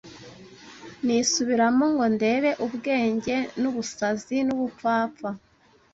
Nisubiramo ngo ndebe ubwenge n’ubusazi n’ubupfapfa.